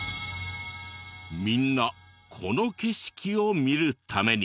みんなこの景色を見るために。